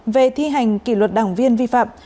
về thi hành kỳ luật đảng viên vi phạm